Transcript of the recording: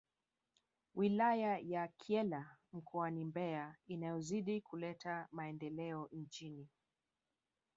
Wilaya ya Kyela mkoani Mbeya inayozidi kuleta maendeleo nchini